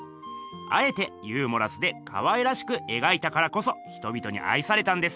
あえてユーモラスでかわいらしくえがいたからこそ人びとにあいされたんです！